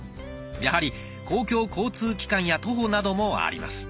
やはり公共交通機関や徒歩などもあります。